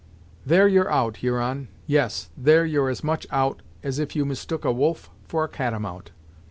"There you're out, Huron; yes, there you're as much out, as if you mistook a wolf for a catamount.